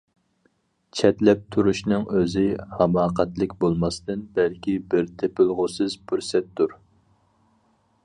چەتلەپ تۇرۇشنىڭ ئۆزى ھاماقەتلىك بولماستىن، بەلكى بىر تېپىلغۇسىز پۇرسەتتۇر.